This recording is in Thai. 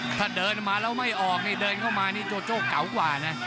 ถ้าเดินมาแล้วไม่ออกนี่เดินเข้ามานี่โจโจ้เก่ากว่านะ